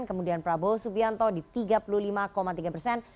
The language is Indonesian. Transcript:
kemudian prabowo subianto di tiga puluh lima tiga persen